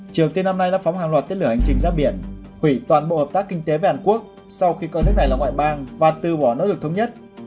triều tiên năm nay đã phóng hàng loạt tên lửa hành trình ra biển hủy toàn bộ hợp tác kinh tế với hàn quốc sau khi con nước này là ngoại bang và từ bỏ nỗ lực thống nhất